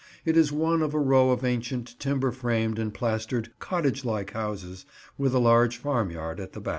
It is one of a row of ancient timber framed and plastered cottage like houses, with a large farmyard at the back.